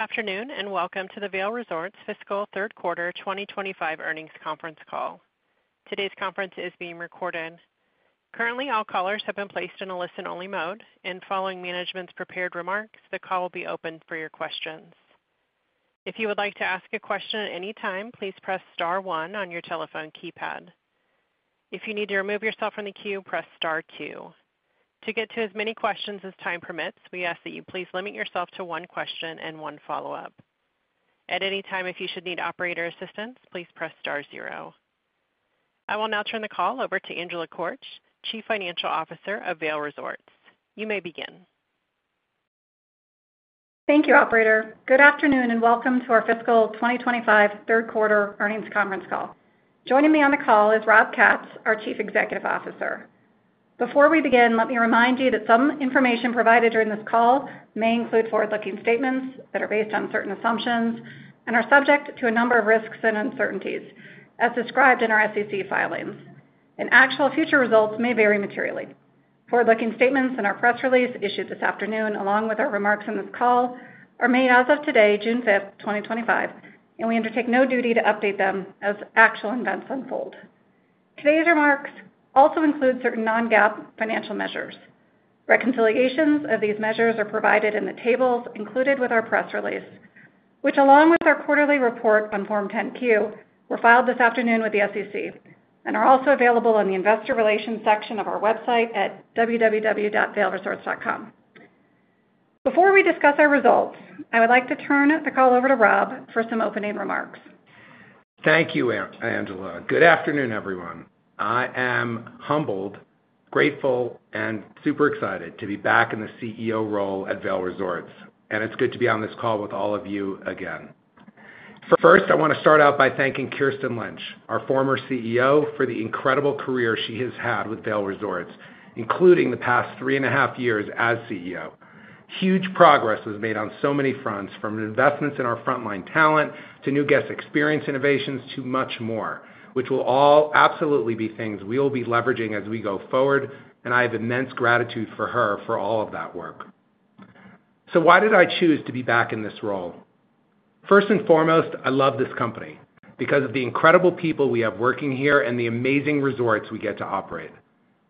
Afternoon and welcome to the Vail Resorts Fiscal Third Quarter 2025 Earnings Conference Call. Today's conference is being recorded. Currently, all callers have been placed in a listen-only mode, and following management's prepared remarks, the call will be open for your questions. If you would like to ask a question at any time, please press star one on your telephone keypad. If you need to remove yourself from the queue, press star two. To get to as many questions as time permits, we ask that you please limit yourself to one question and one follow-up. At any time, if you should need operator assistance, please press star zero. I will now turn the call over to Angela Korch, Chief Financial Officer of Vail Resorts. You may begin. Thank you, Operator. Good afternoon and welcome to our Fiscal 2025 Third Quarter Earnings Conference Call. Joining me on the call is Rob Katz, our Chief Executive Officer. Before we begin, let me remind you that some information provided during this call may include forward-looking statements that are based on certain assumptions and are subject to a number of risks and uncertainties, as described in our SEC filings. Actual future results may vary materially. Forward-looking statements in our press release issued this afternoon, along with our remarks in this call, are made as of today, June 5th, 2025, and we undertake no duty to update them as actual events unfold. Today's remarks also include certain non-GAAP financial measures. Reconciliations of these measures are provided in the tables included with our press release, which, along with our quarterly report on Form 10Q, were filed this afternoon with the SEC and are also available in the investor relations section of our website at www.vailresorts.com. Before we discuss our results, I would like to turn the call over to Rob for some opening remarks. Thank you, Angela. Good afternoon, everyone. I am humbled, grateful, and super excited to be back in the CEO role at Vail Resorts, and it is good to be on this call with all of you again. First, I want to start out by thanking Kirsten Lynch, our former CEO, for the incredible career she has had with Vail Resorts, including the past three and a half years as CEO. Huge progress was made on so many fronts, from investments in our frontline talent to new guest experience innovations to much more, which will all absolutely be things we will be leveraging as we go forward, and I have immense gratitude for her for all of that work. So why did I choose to be back in this role? First and foremost, I love this company because of the incredible people we have working here and the amazing resorts we get to operate.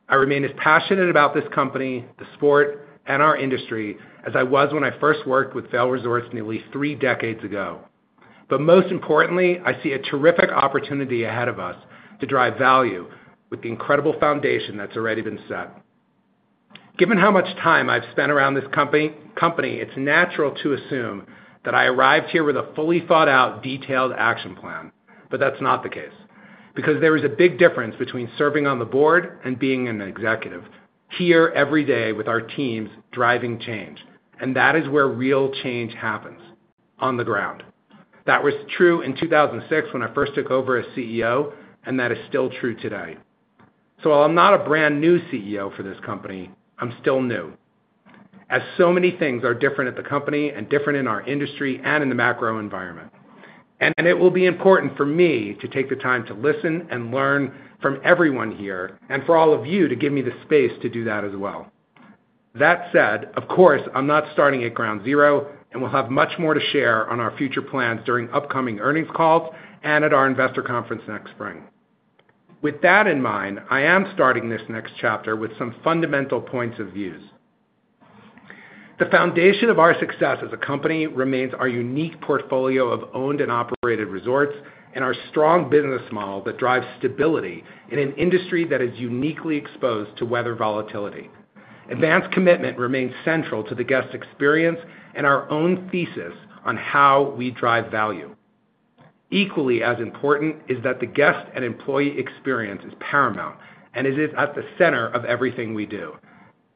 I remain as passionate about this company, the sport, and our industry as I was when I first worked with Vail Resorts nearly three decades ago. Most importantly, I see a terrific opportunity ahead of us to drive value with the incredible foundation that's already been set. Given how much time I've spent around this company, it's natural to assume that I arrived here with a fully thought-out, detailed action plan. That's not the case, because there is a big difference between serving on the board and being an executive here every day with our teams driving change, and that is where real change happens on the ground. That was true in 2006 when I first took over as CEO, and that is still true today. While I'm not a brand new CEO for this company, I'm still new, as so many things are different at the company and different in our industry and in the macro environment. It will be important for me to take the time to listen and learn from everyone here, and for all of you to give me the space to do that as well. That said, of course, I'm not starting at ground zero, and we'll have much more to share on our future plans during upcoming earnings calls and at our investor conference next spring. With that in mind, I am starting this next chapter with some fundamental points of view. The foundation of our success as a company remains our unique portfolio of owned and operated resorts and our strong business model that drives stability in an industry that is uniquely exposed to weather volatility. Advanced commitment remains central to the guest experience and our own thesis on how we drive value. Equally as important is that the guest and employee experience is paramount and is at the center of everything we do.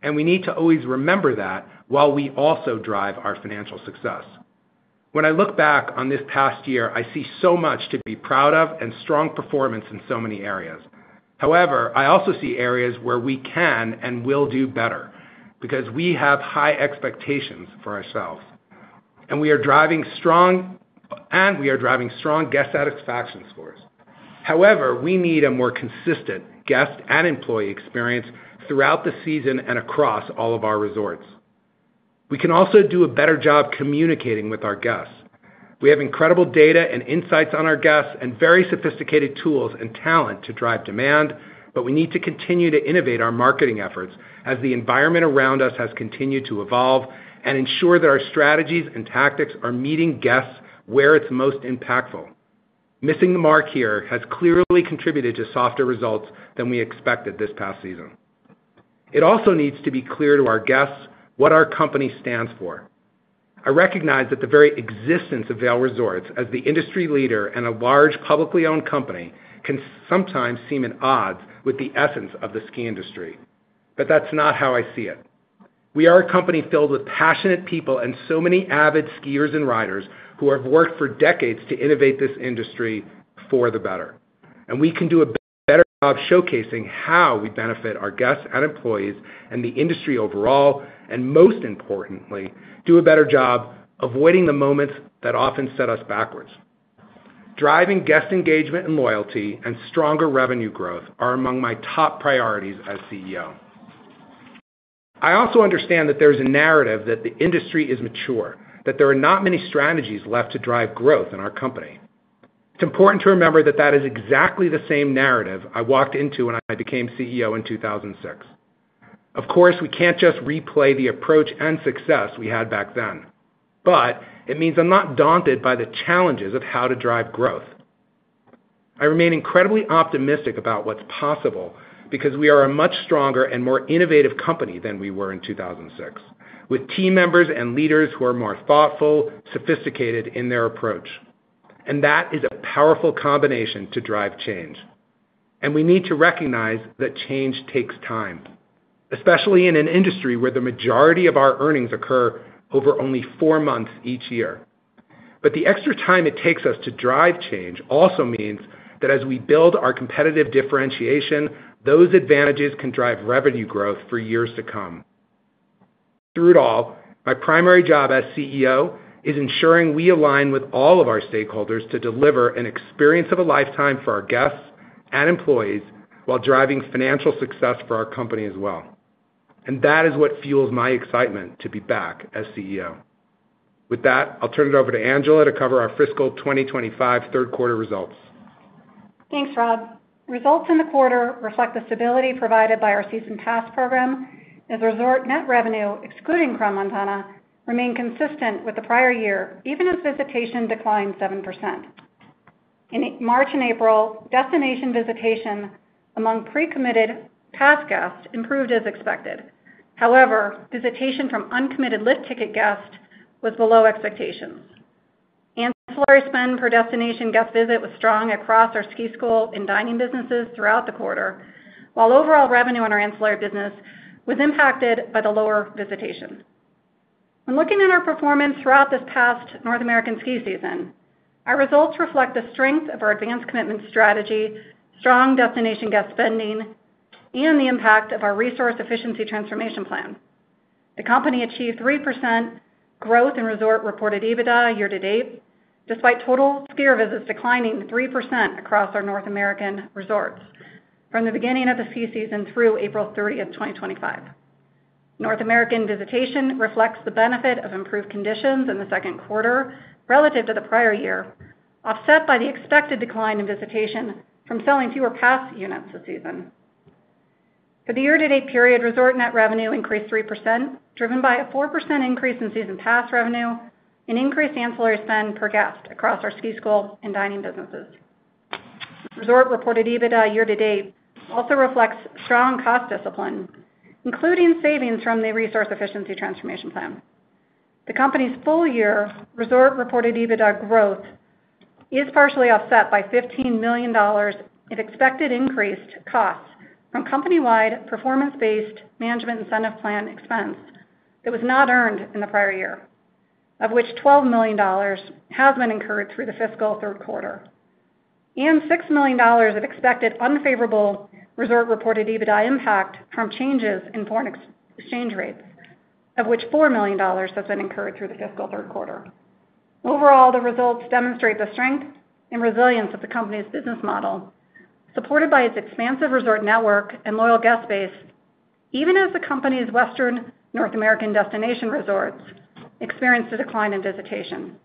We need to always remember that while we also drive our financial success. When I look back on this past year, I see so much to be proud of and strong performance in so many areas. However, I also see areas where we can and will do better because we have high expectations for ourselves, and we are driving strong guest satisfaction scores. However, we need a more consistent guest and employee experience throughout the season and across all of our resorts. We can also do a better job communicating with our guests. We have incredible data and insights on our guests and very sophisticated tools and talent to drive demand, but we need to continue to innovate our marketing efforts as the environment around us has continued to evolve and ensure that our strategies and tactics are meeting guests where it's most impactful. Missing the mark here has clearly contributed to softer results than we expected this past season. It also needs to be clear to our guests what our company stands for. I recognize that the very existence of Vail Resorts as the industry leader and a large publicly owned company can sometimes seem at odds with the essence of the ski industry, but that's not how I see it. We are a company filled with passionate people and so many avid skiers and riders who have worked for decades to innovate this industry for the better. We can do a better job showcasing how we benefit our guests and employees and the industry overall, and most importantly, do a better job avoiding the moments that often set us backwards. Driving guest engagement and loyalty and stronger revenue growth are among my top priorities as CEO. I also understand that there is a narrative that the industry is mature, that there are not many strategies left to drive growth in our company. It's important to remember that that is exactly the same narrative I walked into when I became CEO in 2006. Of course, we can't just replay the approach and success we had back then, but it means I'm not daunted by the challenges of how to drive growth. I remain incredibly optimistic about what's possible because we are a much stronger and more innovative company than we were in 2006, with team members and leaders who are more thoughtful, sophisticated in their approach. That is a powerful combination to drive change. We need to recognize that change takes time, especially in an industry where the majority of our earnings occur over only four months each year. The extra time it takes us to drive change also means that as we build our competitive differentiation, those advantages can drive revenue growth for years to come. Through it all, my primary job as CEO is ensuring we align with all of our stakeholders to deliver an experience of a lifetime for our guests and employees while driving financial success for our company as well. That is what fuels my excitement to be back as CEO. With that, I'll turn it over to Angela to cover our Fiscal 2025 Third Quarter results. Thanks, Rob. Results in the quarter reflect the stability provided by our season pass program, as resort net revenue, excluding Crans-Montana, remained consistent with the prior year, even as visitation declined 7%. In March and April, destination visitation among pre-committed pass guests improved as expected. However, visitation from uncommitted lift ticket guests was below expectations. Ancillary spend per destination guest visit was strong across our Ski and Ride School and dining businesses throughout the quarter, while overall revenue on our ancillary business was impacted by the lower visitation. When looking at our performance throughout this past North American ski season, our results reflect the strength of our Advanced Commitment strategy, strong destination guest spending, and the impact of our Resource Efficiency Transformation Plan. The company achieved 3% growth in resort reported EBITDA year to date, despite total skier visits declining 3% across our North American resorts from the beginning of the ski season through April 30, 2025. North American visitation reflects the benefit of improved conditions in the second quarter relative to the prior year, offset by the expected decline in visitation from selling fewer pass units this season. For the year-to-date period, resort net revenue increased 3%, driven by a 4% increase in season pass revenue and increased ancillary spend per guest across our Ski and Ride School and dining businesses. Resort reported EBITDA year to date also reflects strong cost discipline, including savings from the Resource Efficiency Transformation Plan. The company's full-year resort reported EBITDA growth is partially offset by $15 million of expected increased costs from company-wide performance-based management incentive plan expense that was not earned in the prior year, of which $12 million has been incurred through the fiscal third quarter, and $6 million of expected unfavorable resort reported EBITDA impact from changes in foreign exchange rates, of which $4 million has been incurred through the fiscal third quarter. Overall, the results demonstrate the strength and resilience of the company's business model, supported by its expansive resort network and loyal guest base, even as the company's Western North American destination resorts experienced a decline in visitation,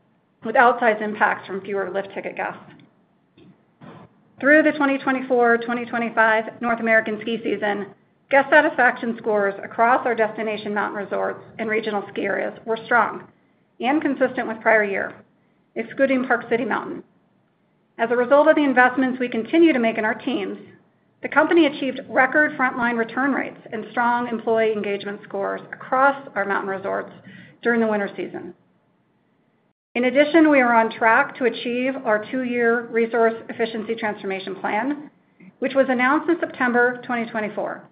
with outsized impacts from fewer lift ticket guests. Through the 2024-2025 North American ski season, guest satisfaction scores across our destination mountain resorts and regional ski areas were strong and consistent with prior year, excluding Park City Mountain. As a result of the investments we continue to make in our teams, the company achieved record frontline return rates and strong employee engagement scores across our mountain resorts during the winter season. In addition, we are on track to achieve our two-year Resource Efficiency Transformation Plan, which was announced in September 2024.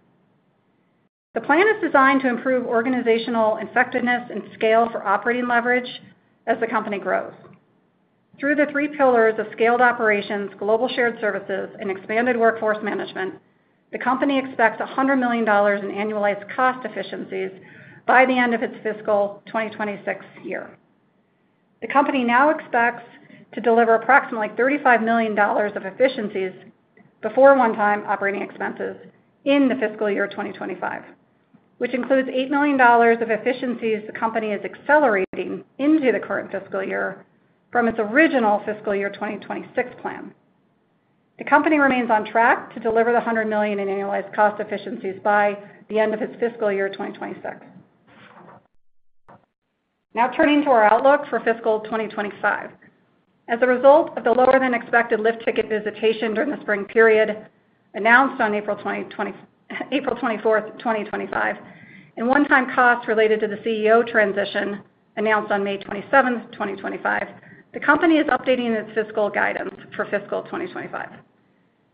The plan is designed to improve organizational effectiveness and scale for operating leverage as the company grows. Through the three pillars of scaled operations, global shared services, and expanded workforce management, the company expects $100 million in annualized cost efficiencies by the end of its fiscal 2026 year. The company now expects to deliver approximately $35 million of efficiencies before one-time operating expenses in the fiscal year 2025, which includes $8 million of efficiencies the company is accelerating into the current fiscal year from its original fiscal year 2026 plan. The company remains on track to deliver the $100 million in annualized cost efficiencies by the end of its fiscal year 2026. Now turning to our outlook for fiscal 2025. As a result of the lower-than-expected lift ticket visitation during the spring period announced on April 24th, 2025, and one-time costs related to the CEO transition announced on May 27th, 2025, the company is updating its fiscal guidance for fiscal 2025.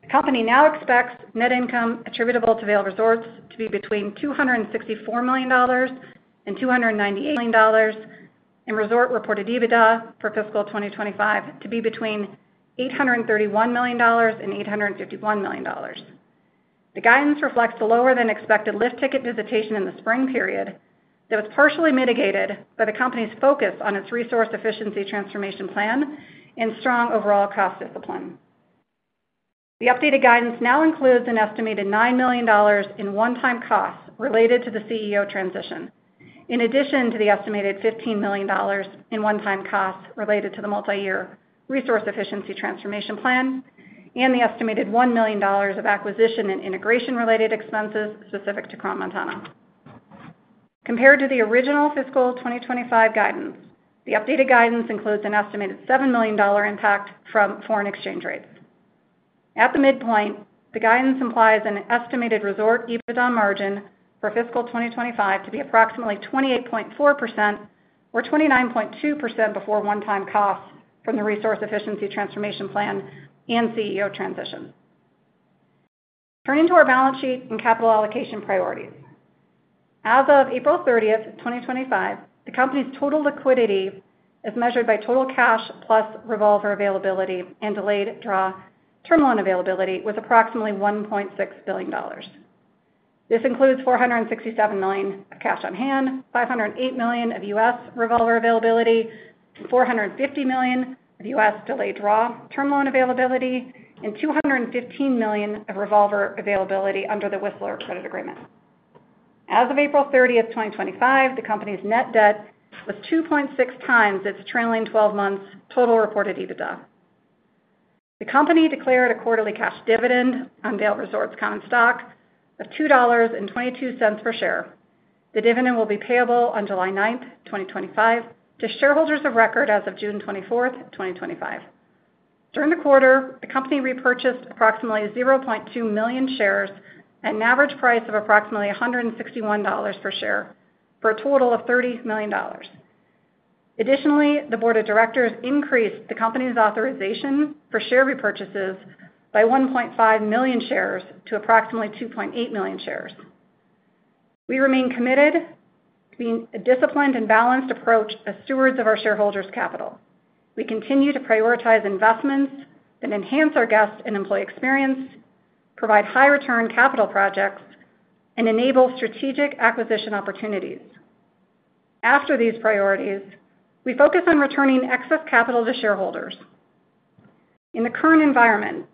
The company now expects net income attributable to Vail Resorts to be between $264 million and $298 million, and resort reported EBITDA for fiscal 2025 to be between $831 million and $851 million. The guidance reflects the lower-than-expected lift ticket visitation in the spring period that was partially mitigated by the company's focus on its Resource Efficiency Transformation Plan and strong overall cost discipline. The updated guidance now includes an estimated $9 million in one-time costs related to the CEO transition, in addition to the estimated $15 million in one-time costs related to the multi-year Resource Efficiency Transformation Plan and the estimated $1 million of acquisition and integration-related expenses specific to Crans-Montana. Compared to the original fiscal 2025 guidance, the updated guidance includes an estimated $7 million impact from foreign exchange rates. At the midpoint, the guidance implies an estimated resort EBITDA margin for fiscal 2025 to be approximately 28.4% or 29.2% before one-time costs from the Resource Efficiency Transformation Plan and CEO transition. Turning to our balance sheet and capital allocation priorities. As of April 30th, 2025, the company's total liquidity is measured by total cash plus revolver availability and delayed draw term loan availability with approximately $1.6 billion. This includes $467 million of cash on hand, $508 million of U.S. Revolver availability, $450 million of U.S. delayed draw term loan availability, and $215 million of revolver availability under the Whistler Credit Agreement. As of April 30th, 2025, the company's net debt was 2.6 times its trailing 12 months total reported EBITDA. The company declared a quarterly cash dividend on Vail Resorts Common Stock of $2.22 per share. The dividend will be payable on July 9th, 2025, to shareholders of record as of June 24th, 2025. During the quarter, the company repurchased approximately 0.2 million shares at an average price of approximately $161 per share for a total of $30 million. Additionally, the board of directors increased the company's authorization for share repurchases by 1.5 million shares to approximately 2.8 million shares. We remain committed to being a disciplined and balanced approach as stewards of our shareholders' capital. We continue to prioritize investments that enhance our guest and employee experience, provide high-return capital projects, and enable strategic acquisition opportunities. After these priorities, we focus on returning excess capital to shareholders. In the current environment,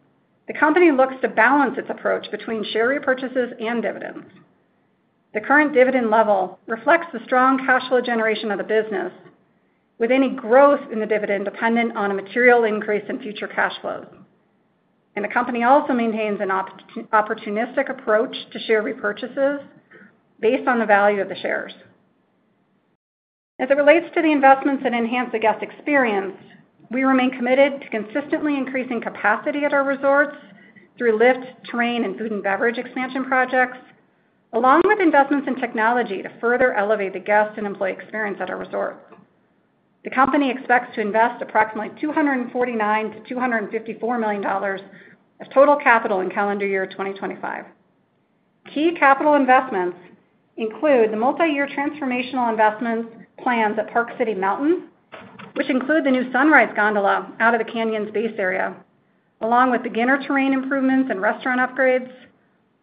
the company looks to balance its approach between share repurchases and dividends. The current dividend level reflects the strong cash flow generation of the business, with any growth in the dividend dependent on a material increase in future cash flows. The company also maintains an opportunistic approach to share repurchases based on the value of the shares. As it relates to the investments that enhance the guest experience, we remain committed to consistently increasing capacity at our resorts through lift, terrain, and food and beverage expansion projects, along with investments in technology to further elevate the guest and employee experience at our resort. The company expects to invest approximately $249 million-$254 million of total capital in calendar year 2025. Key capital investments include the multi-year transformational investment plans at Park City Mountain, which include the new Sunrise Gondola out of the canyon's base area, along with beginner terrain improvements and restaurant upgrades,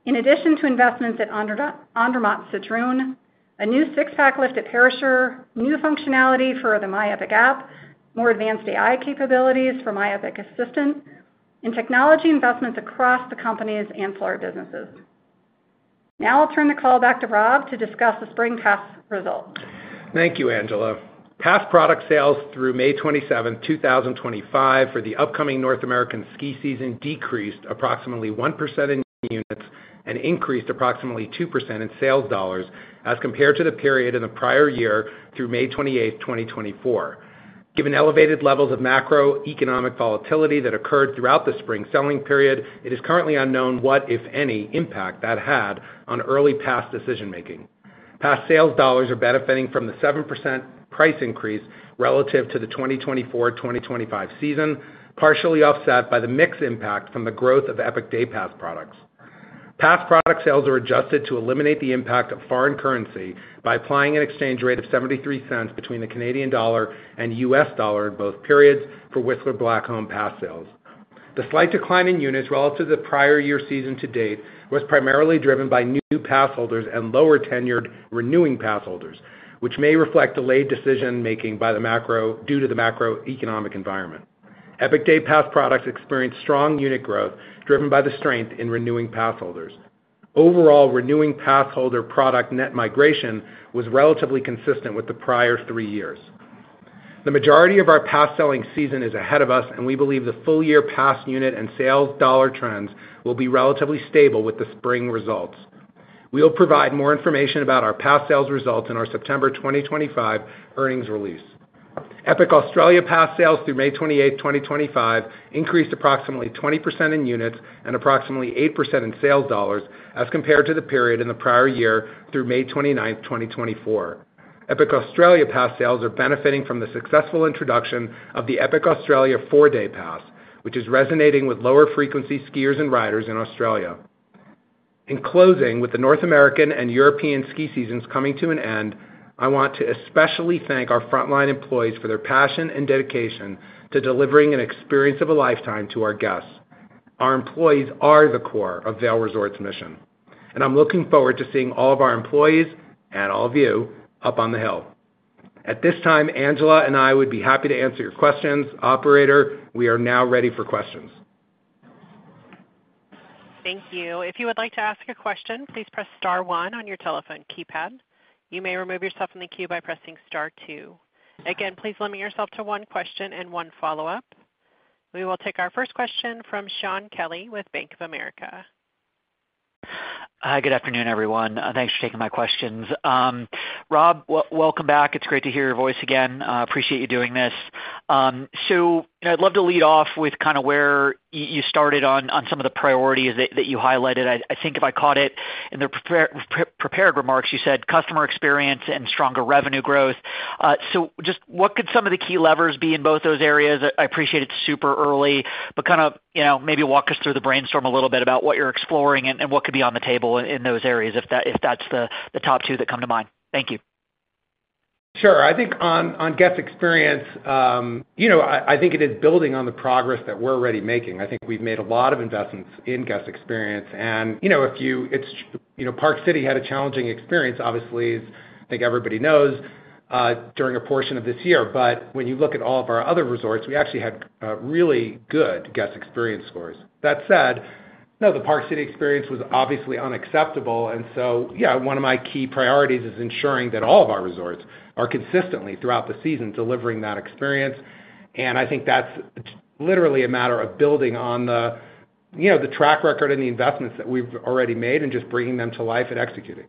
in addition to investments at Andermatt-Sedrun, a new six-pack lift at Perisher, new functionality for the My Epic pp, more advanced AI capabilities for My Epic Assistant, and technology investments across the company's ancillary businesses. Now I'll turn the call back to Rob to discuss the spring pass results. Thank you, Angela. Pass product sales through May 27, 2025, for the upcoming North American ski season decreased approximately 1% in units and increased approximately 2% in sales dollars as compared to the period in the prior year through May 28, 2024. Given elevated levels of macroeconomic volatility that occurred throughout the spring selling period, it is currently unknown what, if any, impact that had on early pass decision-making. Pass sales dollars are benefiting from the 7% price increase relative to the 2024-2025 season, partially offset by the mixed impact from the growth of Epic Day Pass products. Pass product sales are adjusted to eliminate the impact of foreign currency by applying an exchange rate of $0.73 between the Canadian dollar and U.S. dollar in both periods for Whistler Blackcomb Pass sales. The slight decline in units relative to the prior year season to date was primarily driven by new pass holders and lower tenured renewing pass holders, which may reflect delayed decision-making due to the macroeconomic environment. Epic Day Pass products experienced strong unit growth driven by the strength in renewing pass holders. Overall, renewing pass holder product net migration was relatively consistent with the prior three years. The majority of our pass selling season is ahead of us, and we believe the full-year pass unit and sales dollar trends will be relatively stable with the spring results. We will provide more information about our pass sales results in our September 2025 earnings release. Epic Australia Pass sales through May 28, 2025, increased approximately 20% in units and approximately 8% in sales dollars as compared to the period in the prior year through May 29, 2024. Epic Australia Pass sales are benefiting from the successful introduction of the Epic Australia 4-day Pass, which is resonating with lower-frequency skiers and riders in Australia. In closing, with the North American and European ski seasons coming to an end, I want to especially thank our frontline employees for their passion and dedication to delivering an experience of a lifetime to our guests. Our employees are the core of Vail Resorts' mission, and I'm looking forward to seeing all of our employees and all of you up on the hill. At this time, Angela and I would be happy to answer your questions. Operator, we are now ready for questions. Thank you. If you would like to ask a question, please press Star 1 on your telephone keypad. You may remove yourself from the queue by pressing Star 2. Again, please limit yourself to one question and one follow-up. We will take our first question from Shaun Kelley with Bank of America. Hi, good afternoon, everyone. Thanks for taking my questions. Rob, welcome back. It's great to hear your voice again. Appreciate you doing this. I'd love to lead off with kind of where you started on some of the priorities that you highlighted. I think if I caught it in the prepared remarks, you said customer experience and stronger revenue growth. What could some of the key levers be in both those areas? I appreciate it's super early, but maybe walk us through the brainstorm a little bit about what you're exploring and what could be on the table in those areas if that's the top two that come to mind. Thank you. Sure. I think on guest experience, I think it is building on the progress that we're already making. I think we've made a lot of investments in guest experience. If you—Park City had a challenging experience, obviously, as I think everybody knows, during a portion of this year. When you look at all of our other resorts, we actually had really good guest experience scores. That said, the Park City experience was obviously unacceptable. One of my key priorities is ensuring that all of our resorts are consistently throughout the season delivering that experience. I think that's literally a matter of building on the track record and the investments that we've already made and just bringing them to life and executing.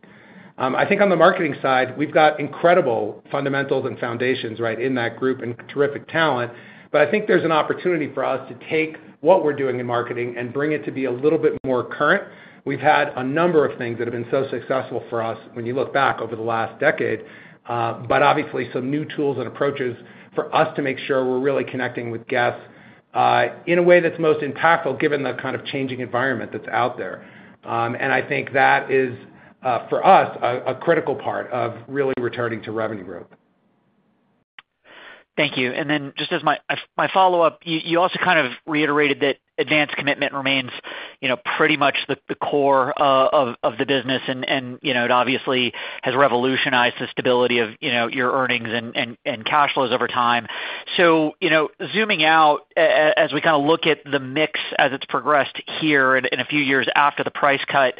I think on the marketing side, we've got incredible fundamentals and foundations right in that group and terrific talent. I think there's an opportunity for us to take what we're doing in marketing and bring it to be a little bit more current. We've had a number of things that have been so successful for us when you look back over the last decade, but obviously some new tools and approaches for us to make sure we're really connecting with guests in a way that's most impactful given the kind of changing environment that's out there. I think that is, for us, a critical part of really returning to revenue growth. Thank you. And then just as my follow-up, you also kind of reiterated that Advanced Commitment remains pretty much the core of the business, and it obviously has revolutionized the stability of your earnings and cash flows over time. So zooming out, as we kind of look at the mix as it's progressed here and a few years after the price cut,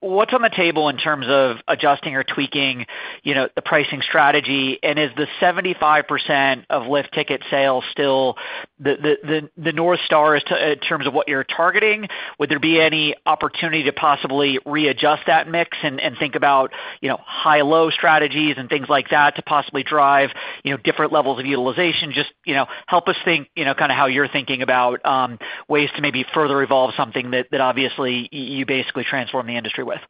what's on the table in terms of adjusting or tweaking the pricing strategy? And is the 75% of lift ticket sales still the North Star in terms of what you're targeting? Would there be any opportunity to possibly readjust that mix and think about high-low strategies and things like that to possibly drive different levels of utilization? Just help us think kind of how you're thinking about ways to maybe further evolve something that obviously you basically transform the industry with.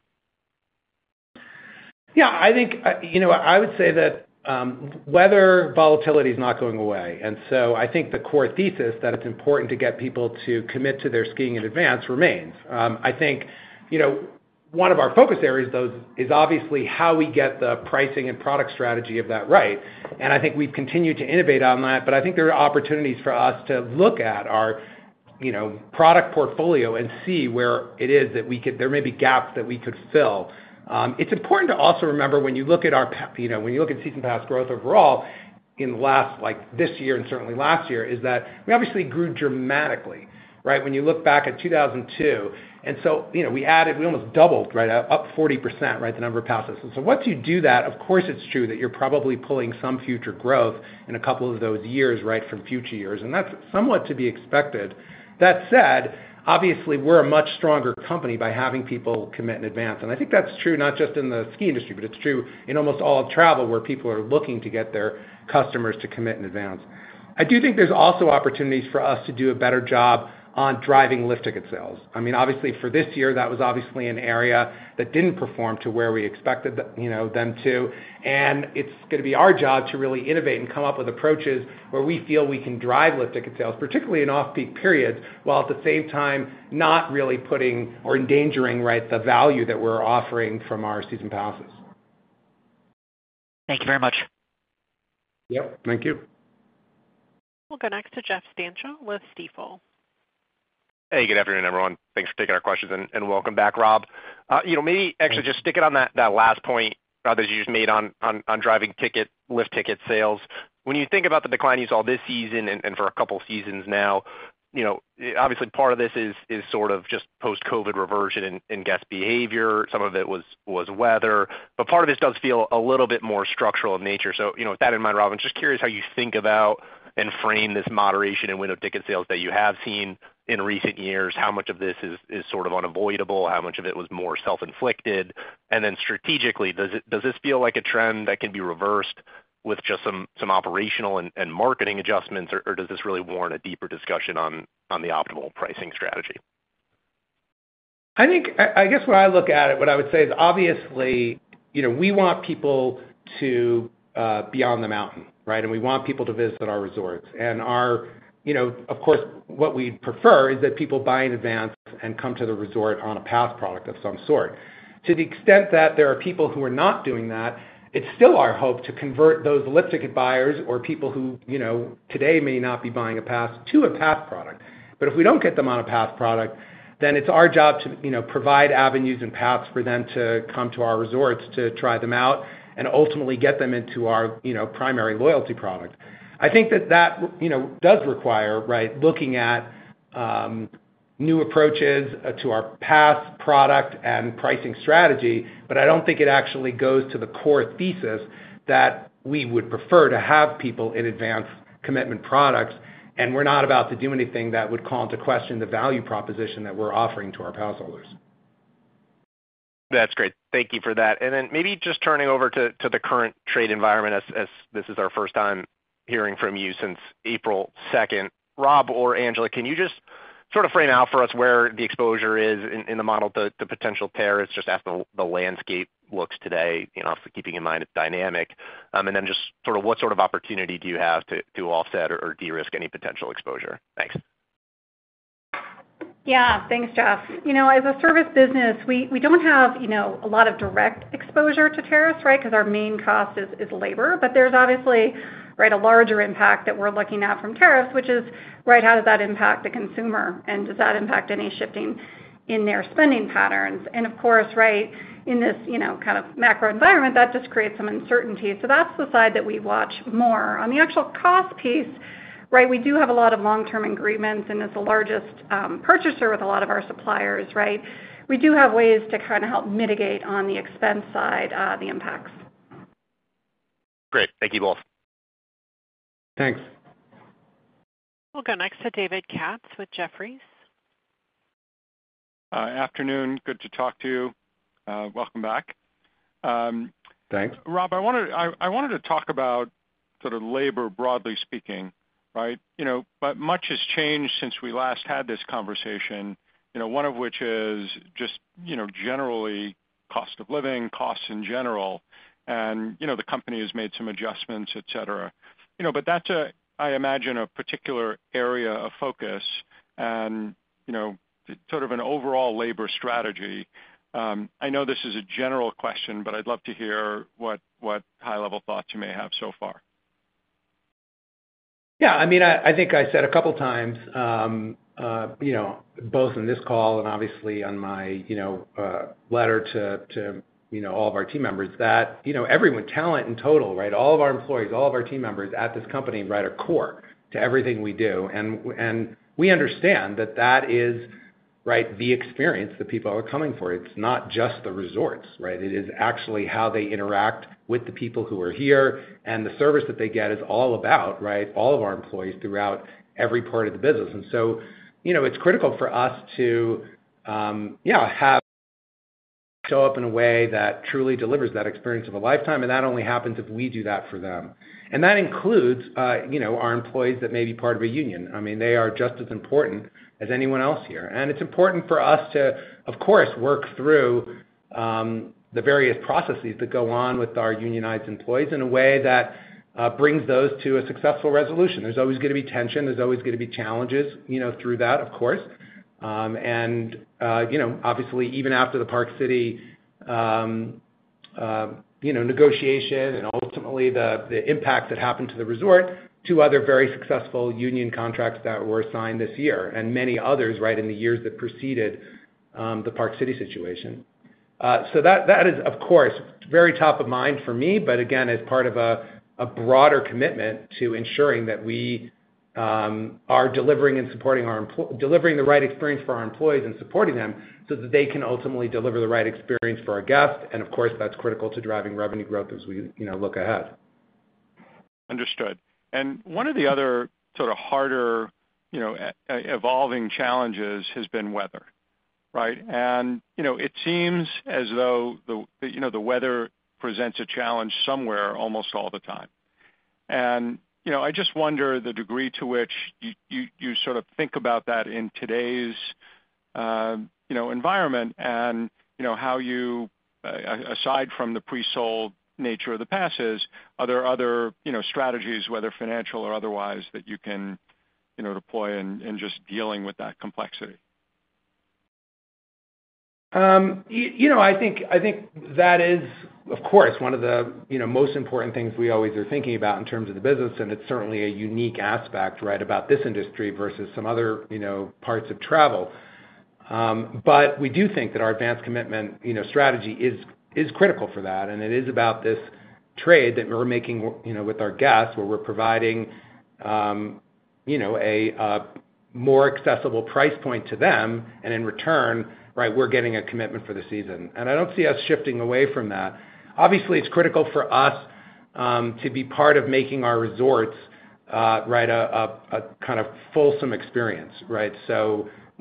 Yeah. I think I would say that weather volatility is not going away. I think the core thesis that it's important to get people to commit to their skiing in advance remains. I think one of our focus areas, though, is obviously how we get the pricing and product strategy of that right. I think we've continued to innovate on that, but I think there are opportunities for us to look at our product portfolio and see where it is that there may be gaps that we could fill. It's important to also remember when you look at our—when you look at season pass growth overall in the last, like this year and certainly last year, is that we obviously grew dramatically, right, when you look back at 2002. We added—we almost doubled, right, up 40%, right, the number of passes. Once you do that, of course, it's true that you're probably pulling some future growth in a couple of those years, right, from future years. That's somewhat to be expected. That said, obviously, we're a much stronger company by having people commit in advance. I think that's true not just in the ski industry, but it's true in almost all of travel where people are looking to get their customers to commit in advance. I do think there's also opportunities for us to do a better job on driving lift ticket sales. I mean, obviously, for this year, that was obviously an area that didn't perform to where we expected them to. It is going to be our job to really innovate and come up with approaches where we feel we can drive lift ticket sales, particularly in off-peak periods, while at the same time not really putting or endangering, right, the value that we are offering from our season passes. Thank you very much. Yep. Thank you. We'll go next to Jeffrey Stantial with Stifel. Hey, good afternoon, everyone. Thanks for taking our questions, and welcome back, Rob. Maybe actually just stick it on that last point that you just made on driving lift ticket sales. When you think about the decline you saw this season and for a couple of seasons now, obviously, part of this is sort of just post-COVID reversion in guest behavior. Some of it was weather. Part of this does feel a little bit more structural in nature. With that in mind, Rob, I'm just curious how you think about and frame this moderation in window ticket sales that you have seen in recent years. How much of this is sort of unavoidable? How much of it was more self-inflicted? Strategically, does this feel like a trend that can be reversed with just some operational and marketing adjustments, or does this really warrant a deeper discussion on the optimal pricing strategy? I guess when I look at it, what I would say is obviously we want people to be on the mountain, right? We want people to visit our resorts. Of course, what we'd prefer is that people buy in advance and come to the resort on a pass product of some sort. To the extent that there are people who are not doing that, it's still our hope to convert those lift ticket buyers or people who today may not be buying a pass to a pass product. If we don't get them on a pass product, then it's our job to provide avenues and paths for them to come to our resorts to try them out and ultimately get them into our primary loyalty product. I think that does require, right, looking at new approaches to our pass product and pricing strategy, but I don't think it actually goes to the core thesis that we would prefer to have people in advance commitment products, and we're not about to do anything that would call into question the value proposition that we're offering to our pass holders. That's great. Thank you for that. Maybe just turning over to the current trade environment, as this is our first time hearing from you since April 2. Rob or Angela, can you just sort of frame out for us where the exposure is in the model, the potential tariffs, just as the landscape looks today, obviously keeping in mind it's dynamic? Just sort of what sort of opportunity do you have to offset or de-risk any potential exposure? Thanks. Yeah. Thanks, Jeff. As a service business, we do not have a lot of direct exposure to tariffs, right, because our main cost is labor. There is obviously, right, a larger impact that we are looking at from tariffs, which is, right, how does that impact the consumer? Does that impact any shifting in their spending patterns? Of course, right, in this kind of macro environment, that just creates some uncertainty. That is the side that we watch more. On the actual cost piece, right, we do have a lot of long-term agreements, and as the largest purchaser with a lot of our suppliers, right, we do have ways to kind of help mitigate on the expense side the impacts. Great. Thank you both. Thanks. We'll go next to David Katz with Jefferies. Afternoon. Good to talk to you. Welcome back. Thanks. Rob, I wanted to talk about sort of labor, broadly speaking, right? Much has changed since we last had this conversation, one of which is just generally cost of living, costs in general, and the company has made some adjustments, etc. That is, I imagine, a particular area of focus and sort of an overall labor strategy. I know this is a general question, but I'd love to hear what high-level thoughts you may have so far. Yeah. I mean, I think I said a couple of times, both in this call and obviously in my letter to all of our team members, that everyone—talent in total, right? All of our employees, all of our team members at this company, right, are core to everything we do. We understand that that is, right, the experience that people are coming for. It's not just the resorts, right? It is actually how they interact with the people who are here, and the service that they get is all about, right, all of our employees throughout every part of the business. It is critical for us to, yeah, show up in a way that truly delivers that experience of a lifetime. That only happens if we do that for them. That includes our employees that may be part of a union. I mean, they are just as important as anyone else here. It is important for us to, of course, work through the various processes that go on with our unionized employees in a way that brings those to a successful resolution. There is always going to be tension. There is always going to be challenges through that, of course. Obviously, even after the Park City negotiation and ultimately the impact that happened to the resort, two other very successful union contracts that were signed this year and many others, right, in the years that preceded the Park City situation. That is, of course, very top of mind for me, but again, as part of a broader commitment to ensuring that we are delivering and supporting the right experience for our employees and supporting them so that they can ultimately deliver the right experience for our guests. Of course, that's critical to driving revenue growth as we look ahead. Understood. One of the other sort of harder evolving challenges has been weather, right? It seems as though the weather presents a challenge somewhere almost all the time. I just wonder the degree to which you sort of think about that in today's environment and how you, aside from the pre-sold nature of the passes, are there other strategies, whether financial or otherwise, that you can deploy in just dealing with that complexity? I think that is, of course, one of the most important things we always are thinking about in terms of the business. It is certainly a unique aspect, right, about this industry versus some other parts of travel. We do think that our advanced commitment strategy is critical for that. It is about this trade that we're making with our guests where we're providing a more accessible price point to them. In return, right, we're getting a commitment for the season. I don't see us shifting away from that. Obviously, it's critical for us to be part of making our resorts, right, a kind of fulsome experience, right?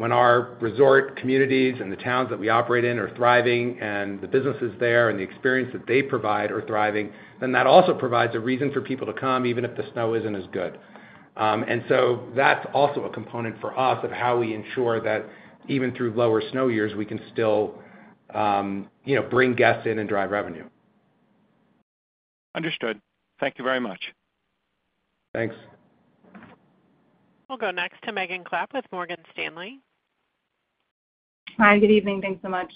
When our resort communities and the towns that we operate in are thriving and the businesses there and the experience that they provide are thriving, then that also provides a reason for people to come even if the snow isn't as good. That is also a component for us of how we ensure that even through lower snow years, we can still bring guests in and drive revenue. Understood. Thank you very much. Thanks. We'll go next to Megan Clapp with Morgan Stanley. Hi. Good evening. Thanks so much.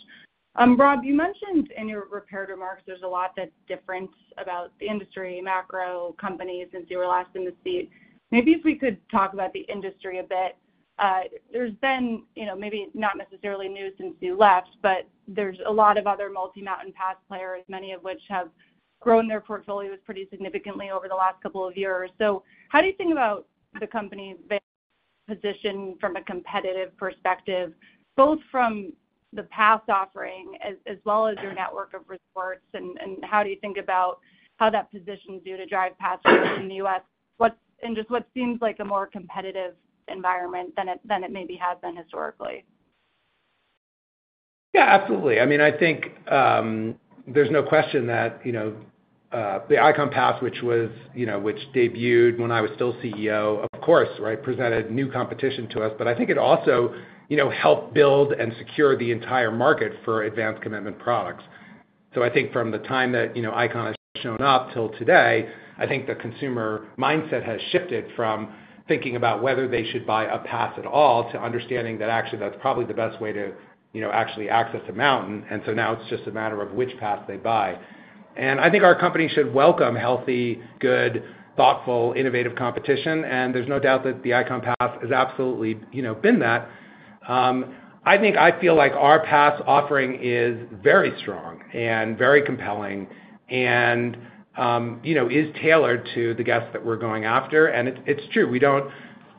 Rob, you mentioned in your prepared remarks there's a lot that's different about the industry, macro, companies since you were last in the seat. Maybe if we could talk about the industry a bit. There's been maybe not necessarily news since you left, but there's a lot of other multi-mountain pass players, many of which have grown their portfolios pretty significantly over the last couple of years. How do you think about the company's position from a competitive perspective, both from the pass offering as well as your network of resorts? How do you think about how that positions you to drive pass in the U.S. and just what seems like a more competitive environment than it maybe has been historically? Yeah, absolutely. I mean, I think there's no question that the Ikon Pass, which debuted when I was still CEO, of course, right, presented new competition to us. I think it also helped build and secure the entire market for advanced commitment products. I think from the time that Ikon has shown up till today, I think the consumer mindset has shifted from thinking about whether they should buy a pass at all to understanding that actually that's probably the best way to actually access a mountain. Now it's just a matter of which pass they buy. I think our company should welcome healthy, good, thoughtful, innovative competition. There's no doubt that the Ikon Pass has absolutely been that. I think I feel like our pass offering is very strong and very compelling and is tailored to the guests that we're going after. It is true.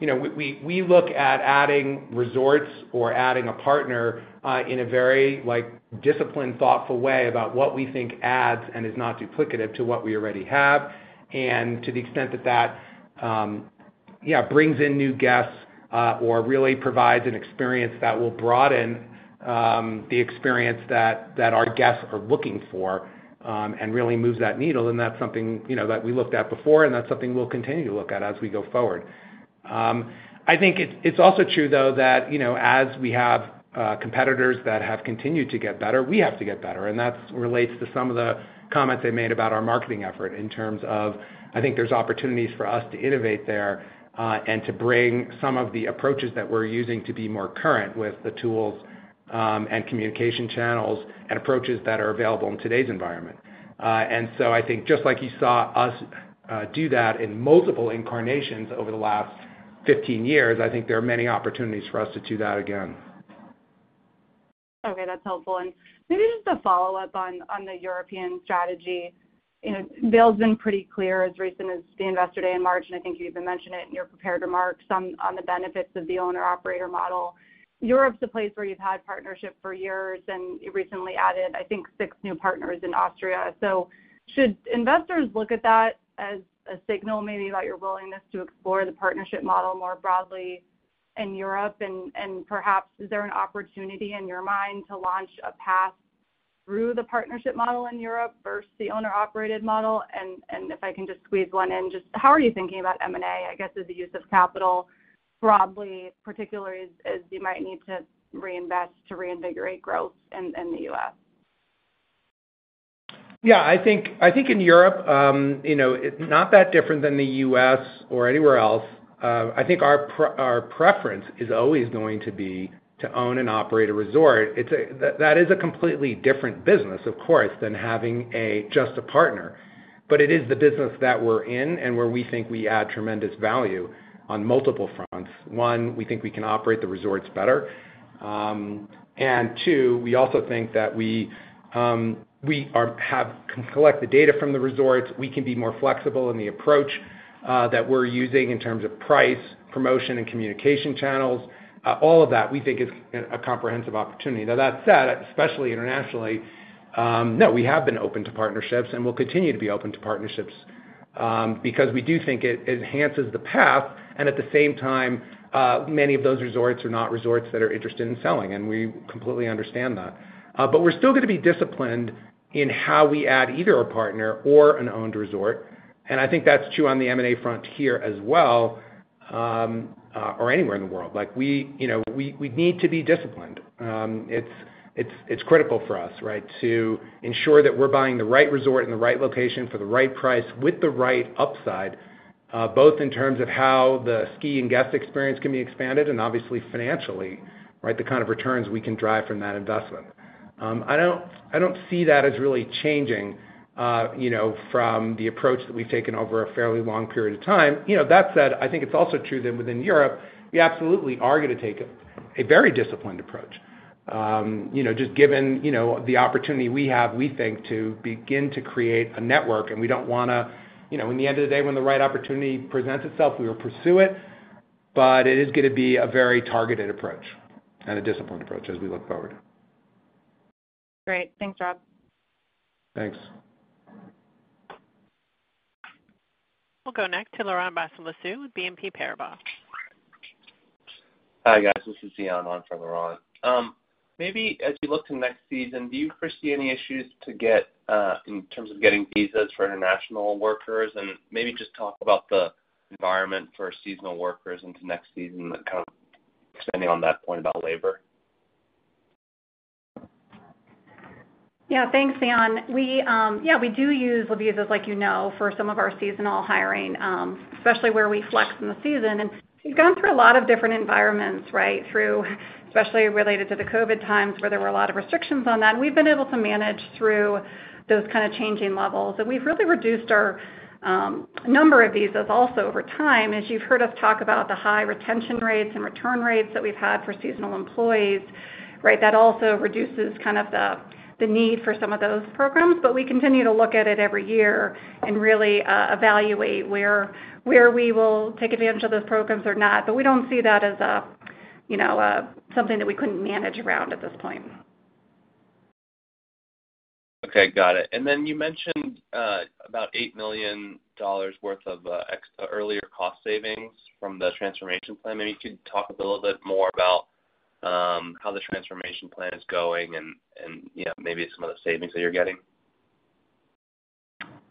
We look at adding resorts or adding a partner in a very disciplined, thoughtful way about what we think adds and is not duplicative to what we already have. To the extent that that, yeah, brings in new guests or really provides an experience that will broaden the experience that our guests are looking for and really moves that needle, that is something that we looked at before, and that is something we will continue to look at as we go forward. I think it is also true, though, that as we have competitors that have continued to get better, we have to get better. That relates to some of the comments they made about our marketing effort in terms of, I think there's opportunities for us to innovate there and to bring some of the approaches that we're using to be more current with the tools and communication channels and approaches that are available in today's environment. I think just like you saw us do that in multiple incarnations over the last 15 years, I think there are many opportunities for us to do that again. Okay. That's helpful. Maybe just a follow-up on the European strategy. Vail's been pretty clear as recent as the Investor Day in March, and I think you even mentioned it in your prepared remarks on the benefits of the owner-operator model. Europe's a place where you've had partnership for years, and you recently added, I think, six new partners in Austria. Should investors look at that as a signal maybe about your willingness to explore the partnership model more broadly in Europe? Perhaps, is there an opportunity in your mind to launch a pass through the partnership model in Europe versus the owner-operated model? If I can just squeeze one in, just how are you thinking about M&A, I guess, as a use of capital, broadly, particularly as you might need to reinvest to reinvigorate growth in the U.S.? Yeah. I think in Europe, not that different than the U.S. or anywhere else, I think our preference is always going to be to own and operate a resort. That is a completely different business, of course, than having just a partner. That is the business that we're in and where we think we add tremendous value on multiple fronts. One, we think we can operate the resorts better. Two, we also think that we have collected data from the resorts. We can be more flexible in the approach that we're using in terms of price, promotion, and communication channels. All of that, we think, is a comprehensive opportunity. Now, that said, especially internationally, no, we have been open to partnerships and will continue to be open to partnerships because we do think it enhances the path. At the same time, many of those resorts are not resorts that are interested in selling, and we completely understand that. We are still going to be disciplined in how we add either a partner or an owned resort. I think that is true on the M&A front here as well or anywhere in the world. We need to be disciplined. It is critical for us, right, to ensure that we are buying the right resort in the right location for the right price with the right upside, both in terms of how the ski and guest experience can be expanded and obviously financially, right, the kind of returns we can drive from that investment. I do not see that as really changing from the approach that we have taken over a fairly long period of time. That said, I think it's also true that within Europe, we absolutely are going to take a very disciplined approach. Just given the opportunity we have, we think, to begin to create a network. We don't want to, in the end of the day, when the right opportunity presents itself, we will pursue it. It is going to be a very targeted approach and a disciplined approach as we look forward. Great. Thanks, Rob. Thanks. We'll go next to Laurent Vasilescu with BNP Paribas. Hi, guys. This is Theon on for Laurent. Maybe as you look to next season, do you foresee any issues in terms of getting visas for international workers? Maybe just talk about the environment for seasonal workers into next season and kind of expanding on that point about labor. Yeah. Thanks, Theon. Yeah, we do use the visas, like you know, for some of our seasonal hiring, especially where we flex in the season. We've gone through a lot of different environments, right, especially related to the COVID times where there were a lot of restrictions on that. We've been able to manage through those kind of changing levels. We've really reduced our number of visas also over time. As you've heard us talk about the high retention rates and return rates that we've had for seasonal employees, right, that also reduces kind of the need for some of those programs. We continue to look at it every year and really evaluate where we will take advantage of those programs or not. We do not see that as something that we could not manage around at this point. Okay. Got it. You mentioned about $8 million worth of earlier cost savings from the transformation plan. Maybe you could talk a little bit more about how the transformation plan is going and maybe some of the savings that you're getting.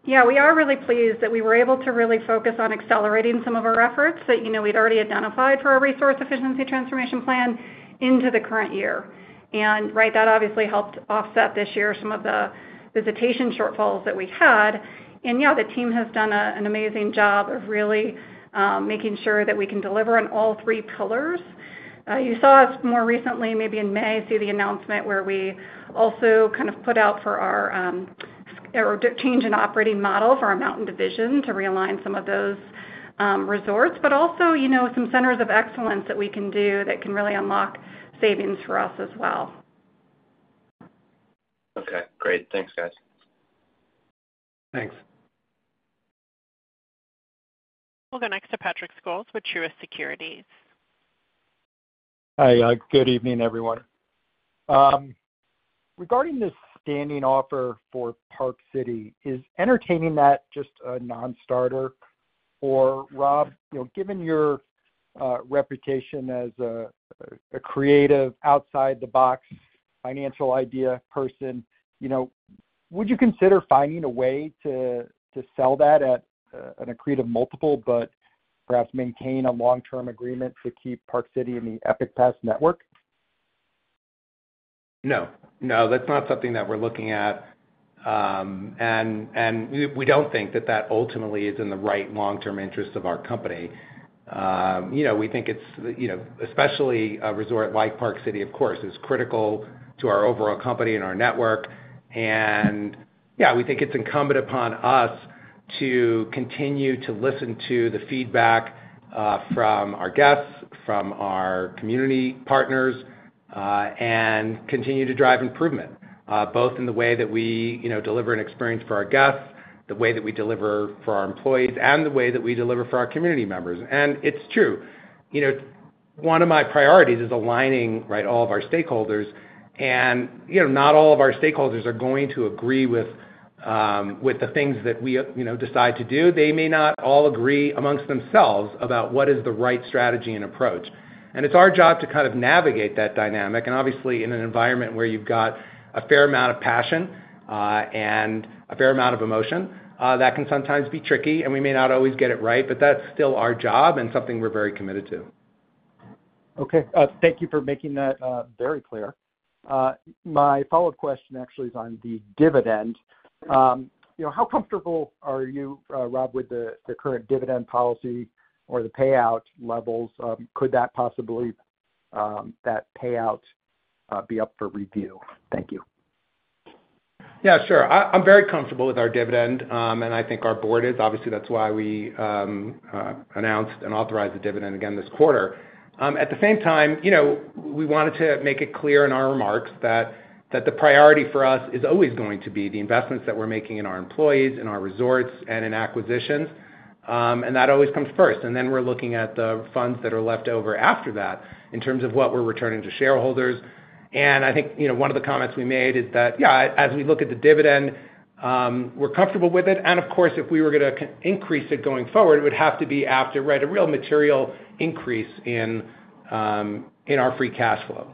Yeah. We are really pleased that we were able to really focus on accelerating some of our efforts that we had already identified for our Resource Efficiency Transformation Plan into the current year. That obviously helped offset this year some of the visitation shortfalls that we had. Yeah, the team has done an amazing job of really making sure that we can deliver on all three pillars. You saw us more recently, maybe in May, see the announcement where we also kind of put out for our change in operating model for our mountain division to realign some of those resorts, but also some centers of excellence that we can do that can really unlock savings for us as well. Okay. Great. Thanks, guys. Thanks. We'll go next to Patrick Scholes with Truist Securities. Hi. Good evening, everyone. Regarding the standing offer for Park City, is entertaining that just a non-starter? Or Rob, given your reputation as a creative, outside-the-box financial idea person, would you consider finding a way to sell that at a creative multiple but perhaps maintain a long-term agreement to keep Park City in the Epic Pass network? No. No, that's not something that we're looking at. We don't think that that ultimately is in the right long-term interest of our company. We think it's, especially a resort like Park City, of course, is critical to our overall company and our network. Yeah, we think it's incumbent upon us to continue to listen to the feedback from our guests, from our community partners, and continue to drive improvement both in the way that we deliver an experience for our guests, the way that we deliver for our employees, and the way that we deliver for our community members. It's true. One of my priorities is aligning, right, all of our stakeholders. Not all of our stakeholders are going to agree with the things that we decide to do. They may not all agree amongst themselves about what is the right strategy and approach. It is our job to kind of navigate that dynamic. Obviously, in an environment where you have a fair amount of passion and a fair amount of emotion, that can sometimes be tricky. We may not always get it right, but that is still our job and something we are very committed to. Okay. Thank you for making that very clear. My follow-up question actually is on the dividend. How comfortable are you, Rob, with the current dividend policy or the payout levels? Could that possibly, that payout be up for review? Thank you. Yeah, sure. I'm very comfortable with our dividend, and I think our board is. Obviously, that's why we announced and authorized the dividend again this quarter. At the same time, we wanted to make it clear in our remarks that the priority for us is always going to be the investments that we're making in our employees, in our resorts, and in acquisitions. That always comes first. Then we're looking at the funds that are left over after that in terms of what we're returning to shareholders. I think one of the comments we made is that, yeah, as we look at the dividend, we're comfortable with it. Of course, if we were going to increase it going forward, it would have to be after, right, a real material increase in our free cash flow.